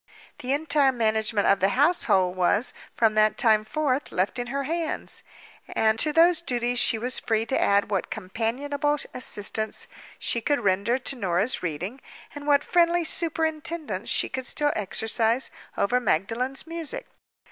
The entire management of the household was, from that time forth, left in her hands; and to those duties she was free to add what companionable assistance she could render to Norah's reading, and what friendly superintendence she could still exercise over Magdalen's music.